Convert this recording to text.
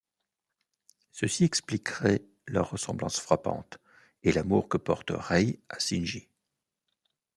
Ceci expliquerait leur ressemblance frappante et l'amour que porte Rei à Shinji.